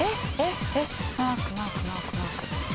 マークマークマークマーク。